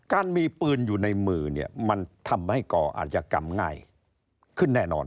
การมีปืนอยู่ในมือเนี่ยมันทำให้ก่ออาจกรรมง่ายขึ้นแน่นอน